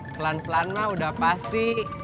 pelan pelan mah udah pasti